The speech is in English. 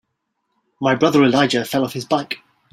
My brother Elijah fell off his bike.